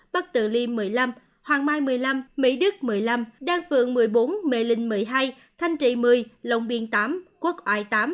bắc tự liêm một mươi năm hoàng mai một mươi năm mỹ đức một mươi năm đan phượng một mươi bốn mệ linh một mươi hai thanh trị một mươi lòng biên tám quốc oai tám